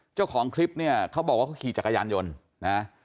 เจ้าของคลิปเนี่ยเขาบอกว่าเขาขี่จักรยานยนต์นะ